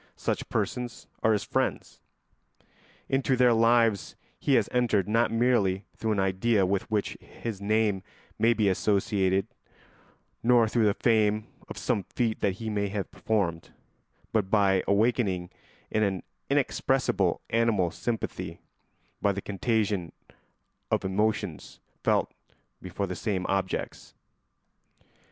Such persons are his friends. Into their lives he has entered not merely through an idea with which his name may be associated, nor through the fame of some feat he may have performed, but by awakening an inexpressible animal sympathy, by the contagion of emotions felt before the same objects.